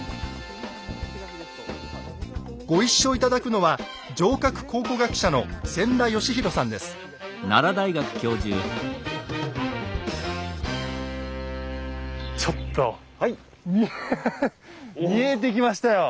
ご一緒頂くのはちょっとアハハッ見えてきましたよ。